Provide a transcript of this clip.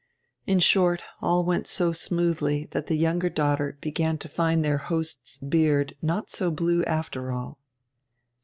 In short all went so smoothly that the younger daughter began to find their host's beard not so blue after all.